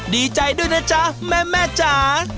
ดีใจด้วยนะจ๊ะแม่แม่จ๊ะ